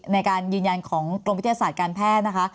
ในการยืนยันของกรมวิทยาศาสตร์การแพทย์นะคะ